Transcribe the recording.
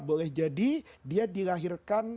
boleh jadi dia dilahirkan